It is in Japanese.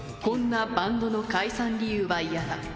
こんなバンドの解散理由はイヤだ。